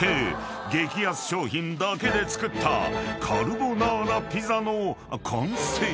激安商品だけで作ったカルボナーラピザの完成］